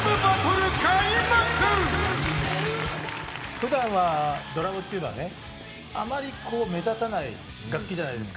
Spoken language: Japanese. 普段はドラムっていうのはねあまり目立たない楽器じゃないですか。